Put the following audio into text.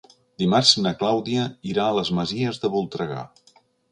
Dimarts na Clàudia irà a les Masies de Voltregà.